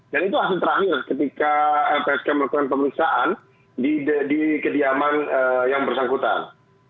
dan itu hasil terakhir ketika lpsk melakukan pemeriksaan di kediaman yang bersangkutan